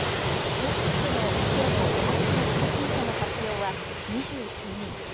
東京都のきょうの新たな感染者の発表は２９人。